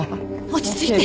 落ち着いて！